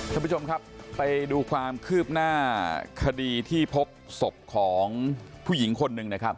ท่านผู้ชมครับไปดูความคืบหน้าคดีที่พบศพของผู้หญิงคนหนึ่งนะครับ